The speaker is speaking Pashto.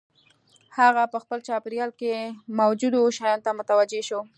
هغه په خپل چاپېريال کې موجودو شيانو ته متوجه شو.